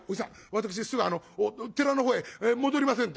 私すぐあの寺のほうへ戻りませんと」。